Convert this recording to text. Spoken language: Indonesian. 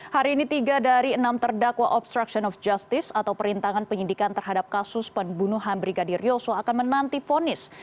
hari ini tiga dari enam terdakwa obstruction of justice atau perintangan penyidikan terhadap kasus pembunuhan brigadir yosua akan menanti fonis